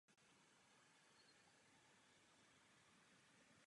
Jejich snaha zastavit šíření římské moci však přišla příliš pozdě.